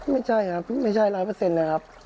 ไม่ใช่ครับไม่ใช่หลายเปอร์เซ็นต์เลยครับ